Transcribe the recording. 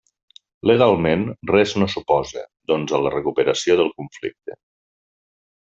Legalment, res no s'oposa, doncs, a la recuperació del conflicte.